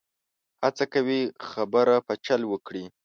هڅه کوي خبره په چل وکړي.